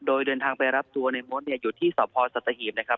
โดยเดินทางไปรับตัวในมดเนี่ยอยู่ที่สพสัตหีบนะครับ